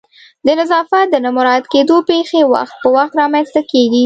د نظافت د نه مراعت کېدو پیښې وخت په وخت رامنځته کیږي